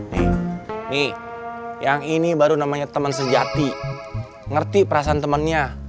nih yang ini baru namanya teman sejati ngerti perasaan temennya